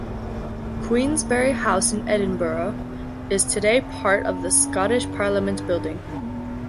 Queensberry House in Edinburgh is today part of the Scottish Parliament Building.